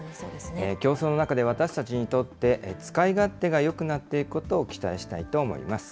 競争の中で私たちにとって使い勝手がよくなっていくことを期待したいと思います。